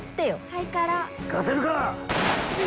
行かせるか！